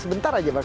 sebentar aja bang